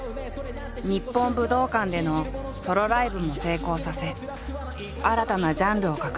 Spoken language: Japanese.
日本武道館でのソロライブも成功させ新たなジャンルを確立。